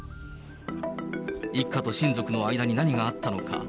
一家と親族の間に何があったのか。